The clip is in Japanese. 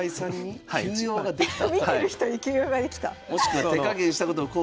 見てる人に急用ができた。